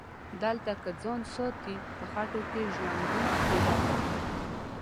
دلته که ځان ساتي په خټو کې ژوندون تیروه